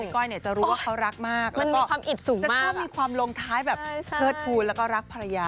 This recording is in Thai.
คุณก้อยเนี่ยจะรู้ว่าเขารักมากแล้วก็จะชอบมีความลงท้ายแบบเทิดทูลแล้วก็รักภรรยา